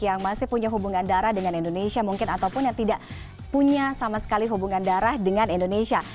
yang masih punya hubungan darah dengan indonesia mungkin ataupun yang tidak punya sama sekali hubungan darah dengan indonesia